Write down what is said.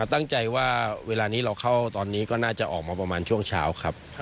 ตั้งใจว่าเวลานี้เราเข้าตอนนี้ก็น่าจะออกมาประมาณช่วงเช้าครับ